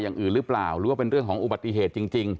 อย่างอื่นหรือเปล่าหรือว่าเป็นเรื่องของอุบัติเหตุจริง